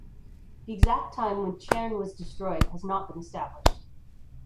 The exact time when Chern was destroyed has not been established.